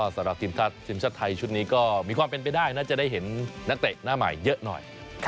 สำหรับทีมชาติไทยชุดนี้ก็มีความเป็นไปได้น่าจะได้เห็นนักเตะหน้าใหม่เยอะหน่อย